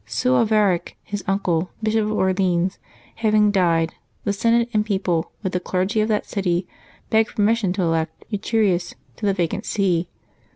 Suavaric, his uncle. Bishop of Orleans, having died, the senate and people, with the clerg\^ of that city, begged permission to elect Eucherius to the vacant see.